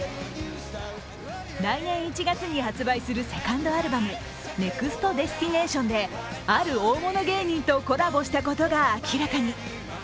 来年１月に発売するセカンドアルバム「ＮｅｘｔＤｅｓｔｉｎａｔｉｏｎ」である大物芸人とコラボしたことが明らかに。